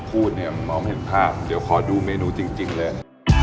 พูดมองเห็นภาพเดี๋ยวขอดูเมนูจริงเลย